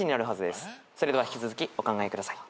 それでは引き続きお考えください。